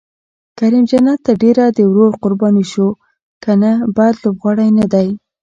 کریم جنت تر ډېره د ورور قرباني شو، که نه بد لوبغاړی نه دی.